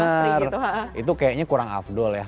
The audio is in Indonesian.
itu kayaknya kurang afdol ya